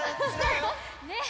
ねえ！